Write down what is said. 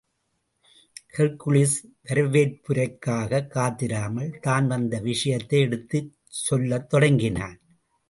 Hercules, வரவேற்புரைக்காகக் காத்திராமல், தான் வந்த விஷயத்தை எடுத்துச் சொல்லத் தொடங்கினான்.